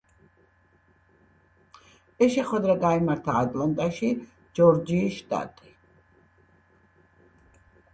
ეს შეხვედრა გაიმართა ატლანტაში, ჯორჯიის შტატი.